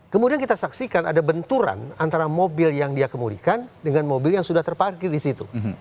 kemudian kita saksikan ada benturan antara mobil yang dia kemudikan dengan mobil yang sudah terparkir di situ